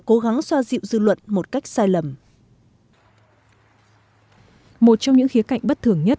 cố gắng xoa dịu dư luận một cách sai lầm một trong những khía cạnh bất thường nhất